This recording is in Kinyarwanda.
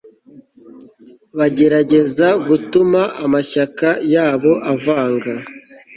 bagerageza gutuma amashyaka yabo avanga